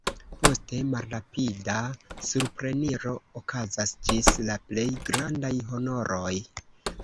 Poste, malrapida supreniro okazas ĝis la plej grandaj honoroj.